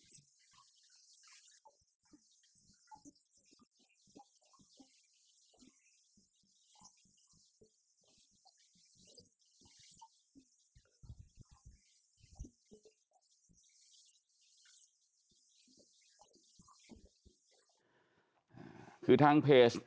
เพื่อเป็นรอบของร่างกาย